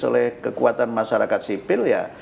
oleh kekuatan masyarakat sipil ya